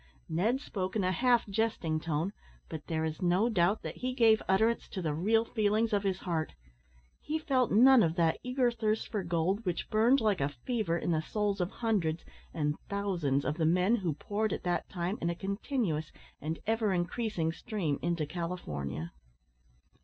Ned spoke in a half jesting tone, but there is no doubt that he gave utterance to the real feelings of his heart. He felt none of that eager thirst for gold which burned, like a fever, in the souls of hundreds and thousands of the men who poured at that time in a continuous and ever increasing stream into California.